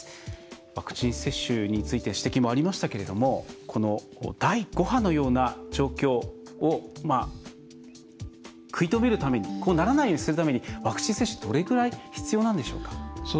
ワクチン接種について指摘もありましたけれども第５波のような状況を食い止めるためにこうならないようにするためにワクチン接種どれくらい必要なんでしょうか？